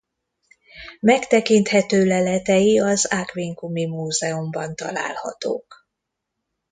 Megtekinthető leletei az Aquincumi Múzeumban találhatók.